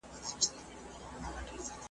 چي اوسیږي به پر کور د انسانانو .